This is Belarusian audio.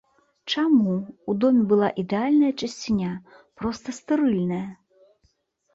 Чаму ў доме была ідэальная чысціня, проста стэрыльная?